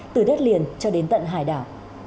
từ đất liền cho đến tận hải đảo